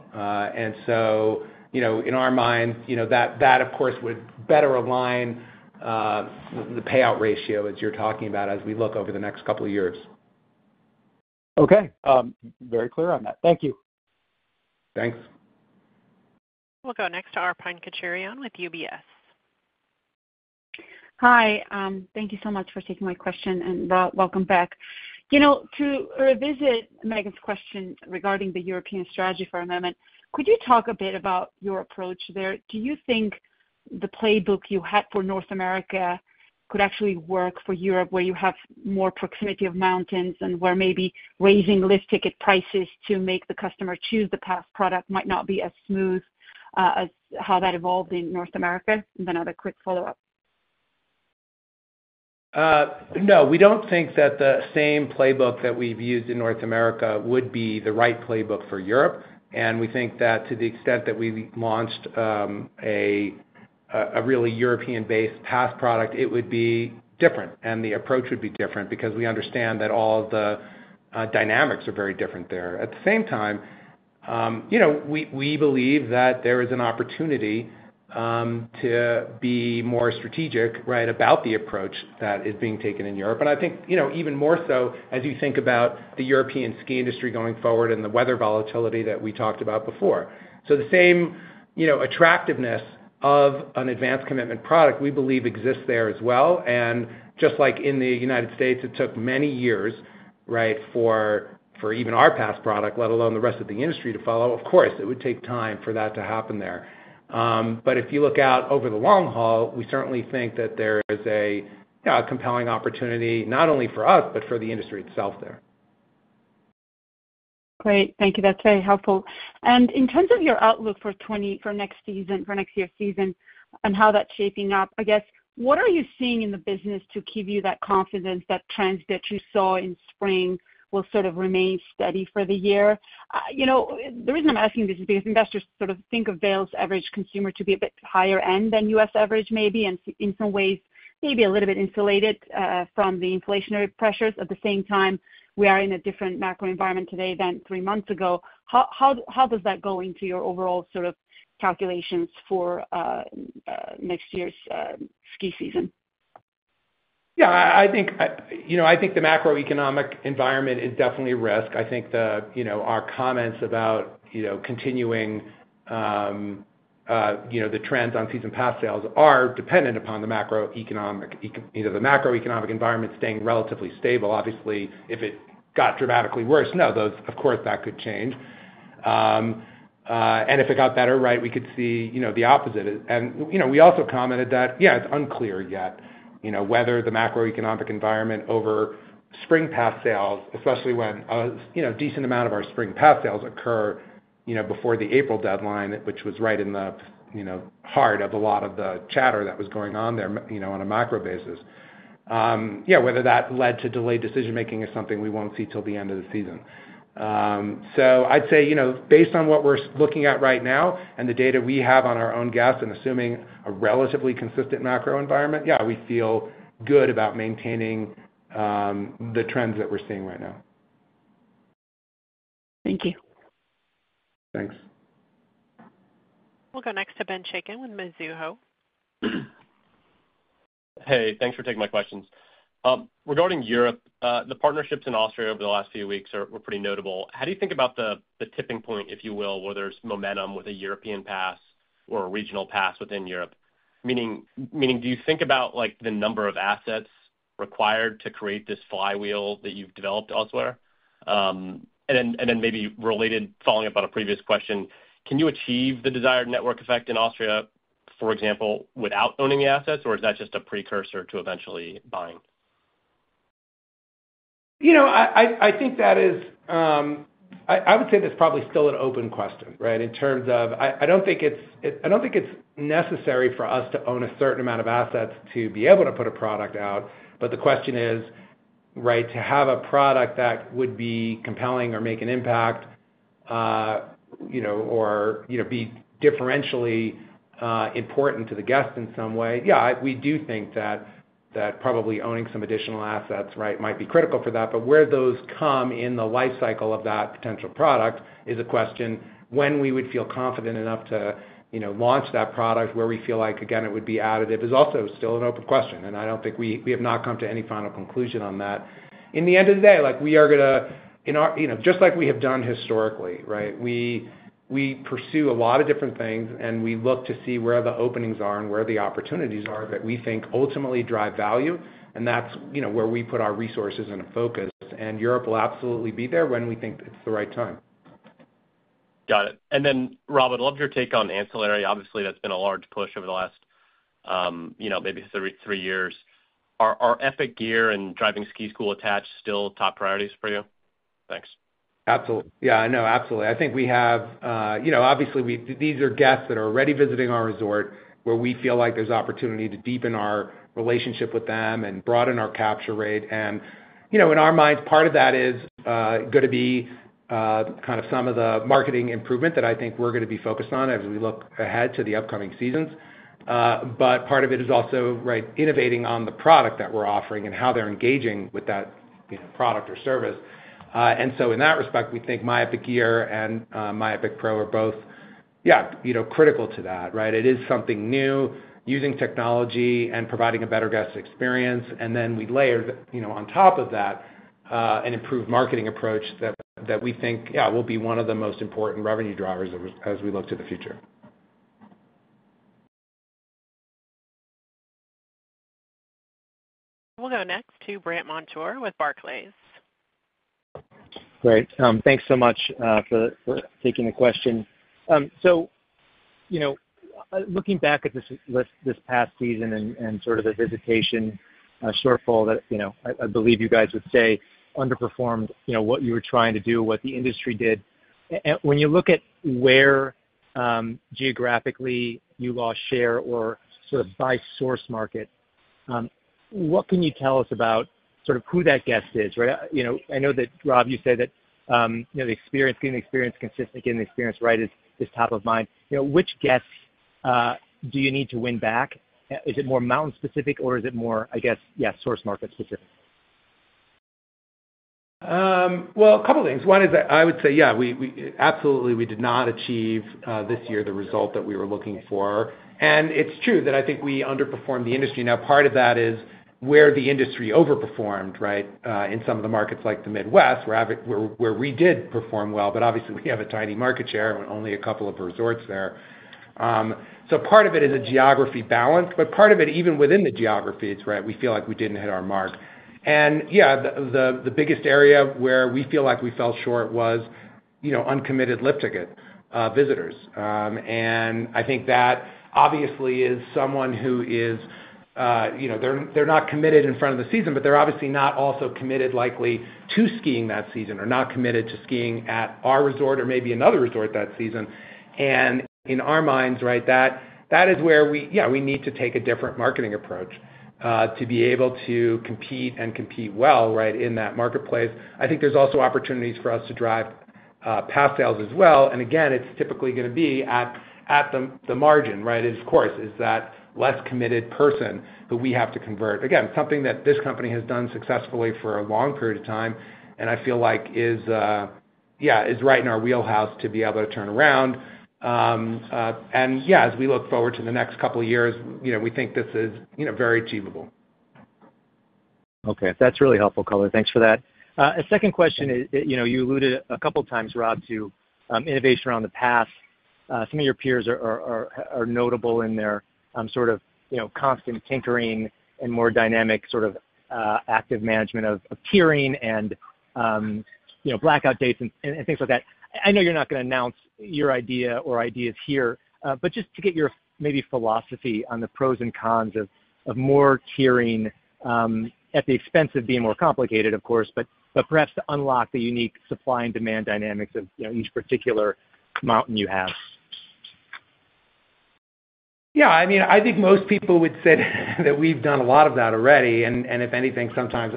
In our mind, that, of course, would better align the payout ratio, as you're talking about, as we look over the next couple of years. Okay. Very clear on that. Thank you. Thanks. We'll go next to Arpine Kocharyan with UBS. Hi. Thank you so much for taking my question, and Rob, welcome back. To revisit Megan's question regarding the European strategy for a moment, could you talk a bit about your approach there? Do you think the playbook you had for North America could actually work for Europe where you have more proximity of mountains and where maybe raising lift ticket prices to make the customer choose the pass product might not be as smooth as how that evolved in North America? I have a quick follow-up. No. We do not think that the same playbook that we have used in North America would be the right playbook for Europe. We think that to the extent that we launched a really European-based pass product, it would be different. The approach would be different because we understand that all the dynamics are very different there. At the same time, we believe that there is an opportunity to be more strategic, right, about the approach that is being taken in Europe. I think even more so as you think about the European ski industry going forward and the weather volatility that we talked about before. The same attractiveness of an advanced commitment product, we believe, exists there as well. Just like in the United States, it took many years, right, for even our pass product, let alone the rest of the industry, to follow. Of course, it would take time for that to happen there. If you look out over the long haul, we certainly think that there is a compelling opportunity not only for us but for the industry itself there. Great. Thank you. That's very helpful. In terms of your outlook for next year, and how that's shaping up, I guess, what are you seeing in the business to give you that confidence that trends that you saw in spring will sort of remain steady for the year? The reason I'm asking this is because investors sort of think of Vail's average consumer to be a bit higher end than U.S. average maybe, and in some ways, maybe a little bit insulated from the inflationary pressures. At the same time, we are in a different macro environment today than three months ago. How does that go into your overall sort of calculations for next year's ski season? Yeah. I think the macroeconomic environment is definitely risk. I think our comments about continuing the trends on season pass sales are dependent upon the macroeconomic environment staying relatively stable. Obviously, if it got dramatically worse, no, of course, that could change. If it got better, right, we could see the opposite. We also commented that, yeah, it's unclear yet whether the macroeconomic environment over spring pass sales, especially when a decent amount of our spring pass sales occur before the April deadline, which was right in the heart of a lot of the chatter that was going on there on a macro basis. Yeah, whether that led to delayed decision-making is something we won't see till the end of the season. I'd say based on what we're looking at right now and the data we have on our own guests and assuming a relatively consistent macro environment, yeah, we feel good about maintaining the trends that we're seeing right now. Thank you. Thanks. We'll go next to Benjamin Chaiken with Mizuho. Hey. Thanks for taking my questions. Regarding Europe, the partnerships in Austria over the last few weeks were pretty notable. How do you think about the tipping point, if you will, where there's momentum with a European pass or a regional pass within Europe? Meaning, do you think about the number of assets required to create this flywheel that you've developed elsewhere? Maybe following up on a previous question, can you achieve the desired network effect in Austria, for example, without owning the assets, or is that just a precursor to eventually buying? I think that is, I would say that's probably still an open question, right, in terms of, I don't think it's, I don't think it's necessary for us to own a certain amount of assets to be able to put a product out. The question is, right, to have a product that would be compelling or make an impact or be differentially important to the guests in some way, yeah, we do think that probably owning some additional assets, right, might be critical for that. Where those come in the lifecycle of that potential product is a question. When we would feel confident enough to launch that product, where we feel like, again, it would be additive, is also still an open question. I don't think we have not come to any final conclusion on that. In the end of the day, we are going to, just like we have done historically, right, we pursue a lot of different things, and we look to see where the openings are and where the opportunities are that we think ultimately drive value. That is where we put our resources and focus. Europe will absolutely be there when we think it is the right time. Got it. Rob, I'd love your take on ancillary. Obviously, that's been a large push over the last maybe three years. Are Epic Gear and Driving Ski School attached still top priorities for you? Thanks. Absolutely. Yeah, I know. Absolutely. I think we have, obviously, these are guests that are already visiting our resort where we feel like there's opportunity to deepen our relationship with them and broaden our capture rate. In our minds, part of that is going to be kind of some of the marketing improvement that I think we're going to be focused on as we look ahead to the upcoming seasons. Part of it is also, right, innovating on the product that we're offering and how they're engaging with that product or service. In that respect, we think My Epic Gear and My Epic Pro are both, yeah, critical to that, right? It is something new, using technology and providing a better guest experience. We layer on top of that an improved marketing approach that we think, yeah, will be one of the most important revenue drivers as we look to the future. We'll go next to Brandt Montour with Barclays. Great. Thanks so much for taking the question. Looking back at this past season and sort of the visitation shortfall that I believe you guys would say underperformed what you were trying to do, what the industry did. When you look at where geographically you lost share or sort of by source market, what can you tell us about sort of who that guest is, right? I know that, Rob, you said that the experience, getting the experience consistent, getting the experience right is top of mind. Which guests do you need to win back? Is it more mountain-specific, or is it more, I guess, yeah, source market-specific? A couple of things. One is I would say, yeah, absolutely, we did not achieve this year the result that we were looking for. It's true that I think we underperformed the industry. Now, part of that is where the industry overperformed, right, in some of the markets like the Midwest, where we did perform well. Obviously, we have a tiny market share and only a couple of resorts there. Part of it is a geography balance. Part of it, even within the geography, it's right, we feel like we didn't hit our mark. Yeah, the biggest area where we feel like we fell short was uncommitted lift ticket visitors. I think that obviously is someone who is, they're not committed in front of the season, but they're obviously not also committed likely to skiing that season or not committed to skiing at our resort or maybe another resort that season. In our minds, right, that is where we, yeah, we need to take a different marketing approach to be able to compete and compete well, right, in that marketplace. I think there's also opportunities for us to drive pass sales as well. Again, it's typically going to be at the margin, right, of course, is that less committed person who we have to convert. Again, something that this company has done successfully for a long period of time, and I feel like, yeah, is right in our wheelhouse to be able to turn around. Yeah, as we look forward to the next couple of years, we think this is very achievable. Okay. That's really helpful, Colin. Thanks for that. A second question, you alluded a couple of times, Rob, to innovation around the pass. Some of your peers are notable in their sort of constant tinkering and more dynamic sort of active management of tiering and blackout dates and things like that. I know you're not going to announce your idea or ideas here, but just to get your maybe philosophy on the pros and cons of more tiering at the expense of being more complicated, of course, but perhaps to unlock the unique supply and demand dynamics of each particular mountain you have. Yeah. I mean, I think most people would say that we've done a lot of that already. If anything, sometimes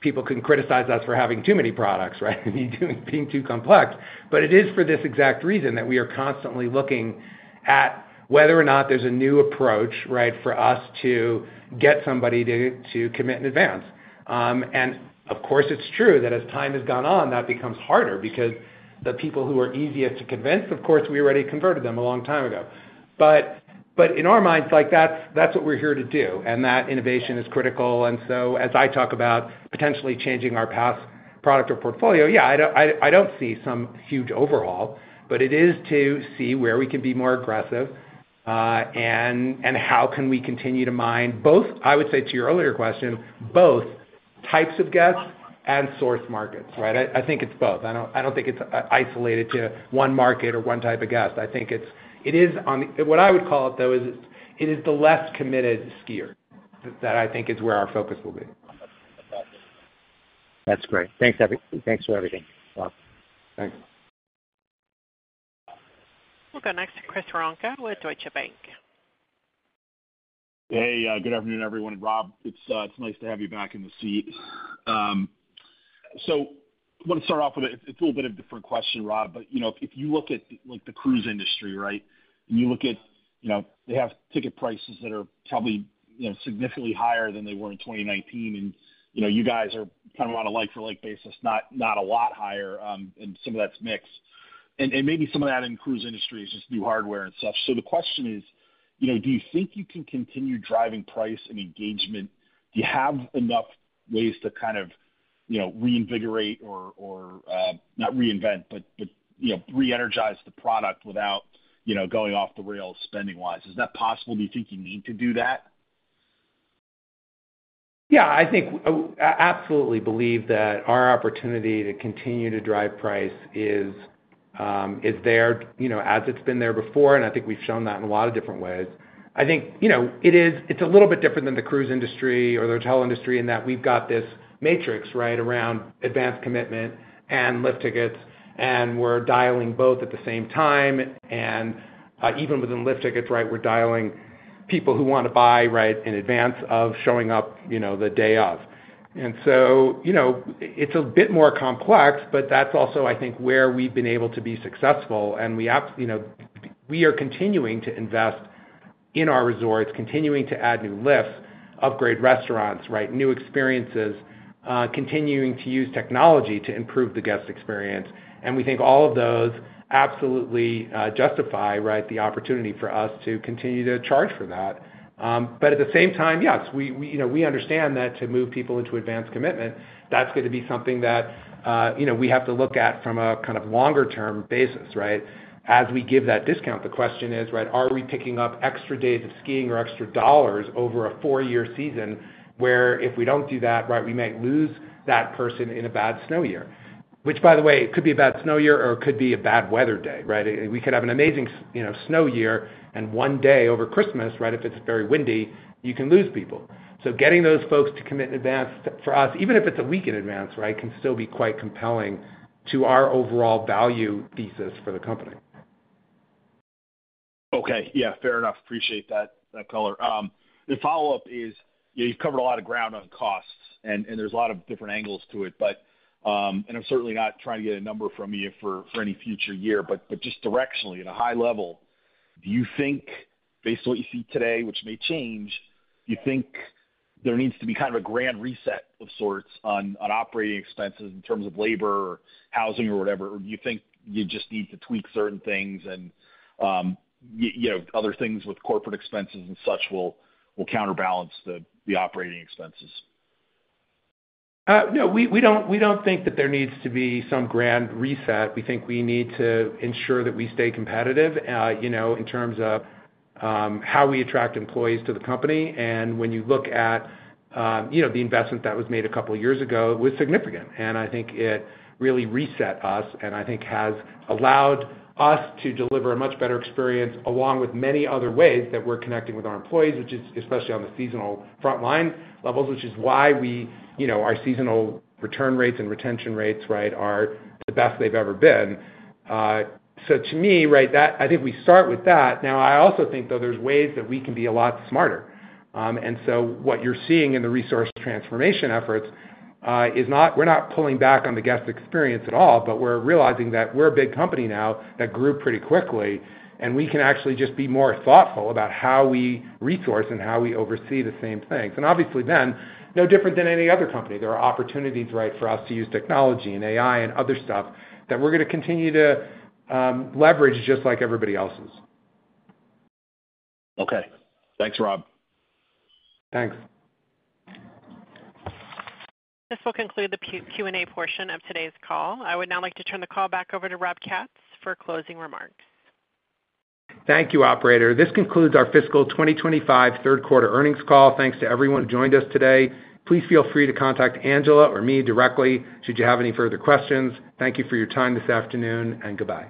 people can criticize us for having too many products, right, being too complex. It is for this exact reason that we are constantly looking at whether or not there's a new approach, right, for us to get somebody to commit in advance. Of course, it's true that as time has gone on, that becomes harder because the people who are easiest to convince, of course, we already converted them a long time ago. In our minds, that's what we're here to do. That innovation is critical. As I talk about potentially changing our pass product or portfolio, yeah, I don't see some huge overhaul, but it is to see where we can be more aggressive and how can we continue to mind both, I would say to your earlier question, both types of guests and source markets, right? I think it's both. I don't think it's isolated to one market or one type of guest. I think it is on the, what I would call it, though, is it is the less committed skier that I think is where our focus will be. That's great. Thanks for everything, Rob. Thanks. We'll go next to Chris Woronka with Deutsche Bank. Hey. Good afternoon, everyone. Rob, it's nice to have you back in the seat. I want to start off with a little bit of a different question, Rob. If you look at the cruise industry, right, and you look at they have ticket prices that are probably significantly higher than they were in 2019. You guys are kind of on a like-for-like basis, not a lot higher. Some of that's mixed. Maybe some of that in the cruise industry is just new hardware and stuff. The question is, do you think you can continue driving price and engagement? Do you have enough ways to kind of reinvigorate or not reinvent, but re-energize the product without going off the rails spending-wise? Is that possible? Do you think you need to do that? Yeah. I absolutely believe that our opportunity to continue to drive price is there as it's been there before. I think we've shown that in a lot of different ways. I think it's a little bit different than the cruise industry or the hotel industry in that we've got this matrix, right, around advanced commitment and lift tickets. We're dialing both at the same time. Even within lift tickets, right, we're dialing people who want to buy, right, in advance of showing up the day of. It's a bit more complex, but that's also, I think, where we've been able to be successful. We are continuing to invest in our resorts, continuing to add new lifts, upgrade restaurants, right, new experiences, continuing to use technology to improve the guest experience. We think all of those absolutely justify, right, the opportunity for us to continue to charge for that. At the same time, yes, we understand that to move people into advanced commitment, that's going to be something that we have to look at from a kind of longer-term basis, right, as we give that discount. The question is, right, are we picking up extra days of skiing or extra dollars over a four-year season where if we do not do that, right, we might lose that person in a bad snow year, which, by the way, it could be a bad snow year or it could be a bad weather day, right? We could have an amazing snow year, and one day over Christmas, right, if it is very windy, you can lose people. Getting those folks to commit in advance for us, even if it's a week in advance, right, can still be quite compelling to our overall value thesis for the company. Okay. Yeah. Fair enough. Appreciate that, Colin. The follow-up is you've covered a lot of ground on costs, and there's a lot of different angles to it. I'm certainly not trying to get a number from you for any future year. Just directionally, at a high level, do you think, based on what you see today, which may change, do you think there needs to be kind of a grand reset of sorts on operating expenses in terms of labor or housing or whatever? Do you think you just need to tweak certain things and other things with corporate expenses and such will counterbalance the operating expenses? No. We do not think that there needs to be some grand reset. We think we need to ensure that we stay competitive in terms of how we attract employees to the company. When you look at the investment that was made a couple of years ago, it was significant. I think it really reset us and I think has allowed us to deliver a much better experience along with many other ways that we are connecting with our employees, which is especially on the seasonal frontline levels, which is why our seasonal return rates and retention rates, right, are the best they have ever been. To me, right, I think we start with that. I also think, though, there are ways that we can be a lot smarter. What you're seeing in the resource transformation efforts is not we're not pulling back on the guest experience at all, but we're realizing that we're a big company now that grew pretty quickly. We can actually just be more thoughtful about how we resource and how we oversee the same things. Obviously, then, no different than any other company, there are opportunities, right, for us to use technology and AI and other stuff that we're going to continue to leverage just like everybody else's. Okay. Thanks, Rob. Thanks. This will conclude the Q&A portion of today's call. I would now like to turn the call back over to Rob Katz for closing remarks. Thank you, operator. This concludes our Fiscal 2025 Third Quarter Earnings Call. Thanks to everyone who joined us today. Please feel free to contact Angela or me directly should you have any further questions. Thank you for your time this afternoon, and goodbye.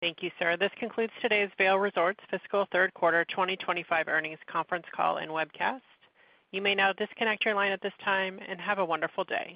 Thank you, sir. This concludes today's Vail Resorts Fiscal Third Quarter 2025 Earnings Conference Call and webcast. You may now disconnect your line at this time and have a wonderful day.